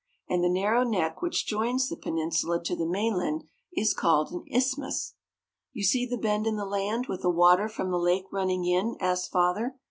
And the narrow neck which joins the peninsula to the mainland is called an isthmus. "You see the bend in the land, with the water from the lake running in?" asked father.